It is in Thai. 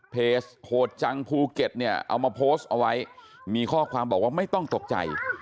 เพจโหดจังภูเก็ตเนี่ยเอามาโพสต์เอาไว้มีข้อความบอกว่าไม่ต้องตกใจ